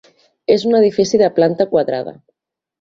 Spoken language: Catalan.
És un edifici de planta quadrada.